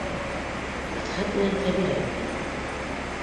Мидхәт менән Хәбирә бейей.